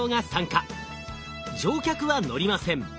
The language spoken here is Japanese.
乗客は乗りません。